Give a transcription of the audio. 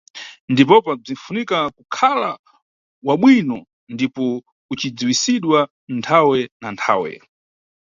Ndipopa bzinʼfunika kukhala wabwino ndipo ucidziwisidwa nthawe na nthawe.